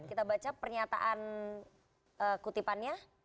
kita baca pernyataan kutipannya